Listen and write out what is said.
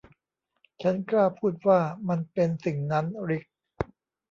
ฉันกล้าพูดว่ามันเป็นสิ่งนั้น ริค